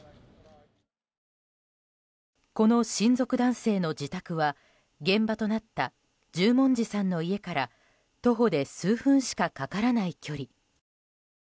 この親族男性の自宅は現場となった十文字さんの家から徒歩で数分しかかからない距離。